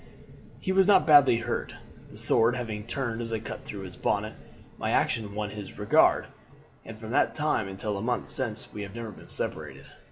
He was not badly hurt, the sword having turned as it cut through his bonnet. My action won his regard, and from that time until a month since we have never been separated.